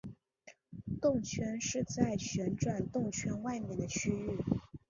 动圈是在旋转黑洞外面的区域。